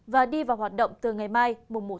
và đi vào hoạt động từ ngày mai một chín